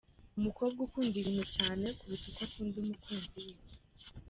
Umukobwa ukunda ibintu cyane kuruta uko akunda umukunzi we.